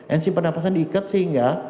enzim pernapasan diikat sehingga